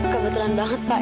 kebetulan banget pak